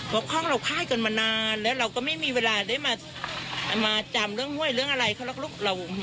เพราะห้องเราค่ายกันมานานแล้วเราก็ไม่มีเวลาได้มาจำเรื่องห้วยเรื่องอะไรเขาหรอกลูก